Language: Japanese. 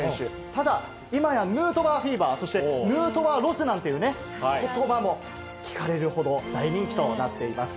ただ、今やヌートバーフィーバー、そして、ヌートバーロスなんていうね、ことばも聞かれるほど、大人気となっています。